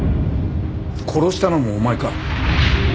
殺したのもお前か。